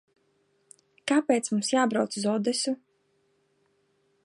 Kāpēc mums jābrauc uz Odesu?